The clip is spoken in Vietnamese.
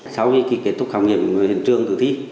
sau khi kết thúc khám nghiệm hiện trường tử thi